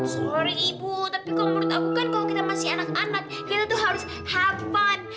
sorry ibu tapi kok menurut aku kan kalau kita masih anak anak kita tuh harus have fun